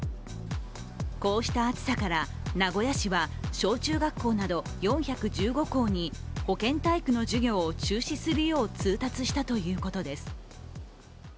こうした暑さから、名古屋市は小中学校など４１５校に保健体育の授業を中止するよう通達したということです。